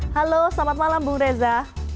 halo selamat malam bung reza